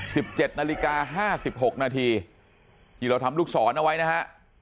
สิบเจ็ดนาฬิกาห้าสิบหกนาทีที่เราทำลูกศรเอาไว้นะฮะ